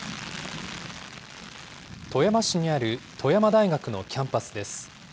富山市にある富山大学のキャンパスです。